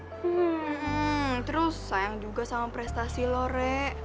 hmm terus sayang juga sama prestasi lo re